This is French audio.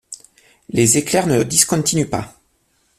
Les éclairs ne discontinuent pas.